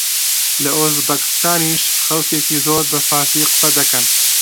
لە ئوزبەکستانیش خەڵکێکی زۆر بە فارسی قسە دەکەن